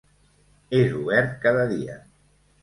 És obert cada dia.